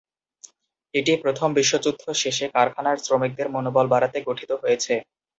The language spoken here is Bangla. এটি প্রথম বিশ্বযুদ্ধ শেষে কারখানার শ্রমিকদের মনোবল বাড়াতে গঠিত হয়েছে।